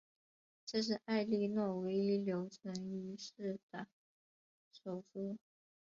这是埃莉诺唯一留存于世的手书。